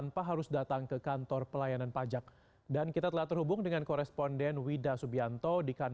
pemurusan pajak di sana